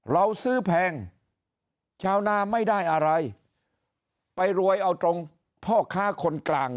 เราซื้อแพงชาวนาไม่ได้อะไรไปรวยเอาตรงพ่อค้าคนกลาง